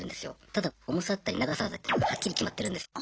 ただ重さだったり長さだったりがはっきり決まってるんです。